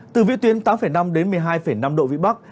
từ vĩ tuyến tám năm một mươi hai năm độ vị bắc